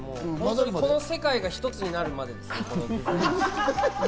この世界が一つになるまでですね。